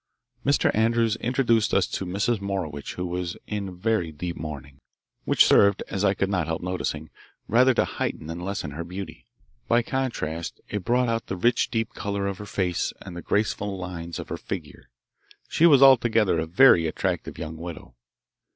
Mr. Andrews introduced us to Mrs. Morowitch, who was in very deep mourning, which served, as I could not help noticing, rather to heighten than lessen her beauty. By contrast it brought out the rich deep colour of her face and the graceful lines of her figure. She was altogether a very attractive young widow.